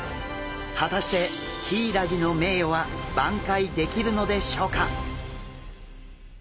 果たしてヒイラギの名誉は挽回できるのでしょうか？